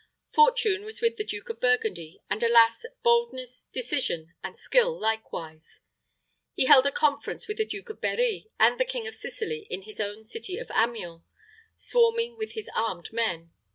Fortune was with the Duke of Burgundy, and alas! boldness, decision, and skill likewise. He held a conference with the Duke of Berri, and the King of Sicily in his own city of Amiens, swarming with his armed men.